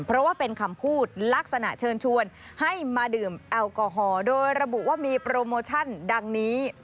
เพราะว่าเป็นคำพูดลักษณะเชิญชวนให้มาดื่มแอลกอฮอลโดยระบุว่ามีโปรโมชั่นดังนี้